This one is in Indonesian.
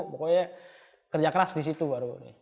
pokoknya kerja keras disitu baru